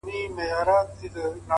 هره شېبه د بدلون تخم لري؛